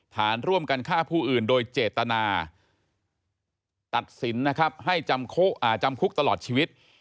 ฐานร่วมกันฆ่าผู้อื่นโดยเจตนาตัดสินนะครับให้จำคุกตลอดชีวิต